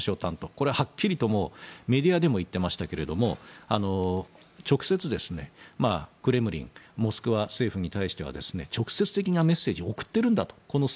これははっきりとメディアでも言っていましたけど直接、クレムリンモスクワ政府に対しては直接的なメッセージを送っているんだと。